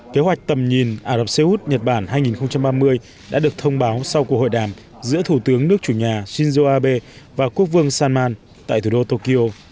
kế hoạch tầm nhìn ả rập xê út nhật bản hai nghìn ba mươi đã được thông báo sau cuộc hội đàm giữa thủ tướng nước chủ nhà shinzo abe và quốc vương salman tại thủ đô tokyo